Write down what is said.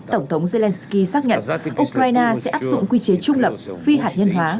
tổng thống zelenskyy xác nhận ukraine sẽ áp dụng quy chế trung lập phi hạt nhân hóa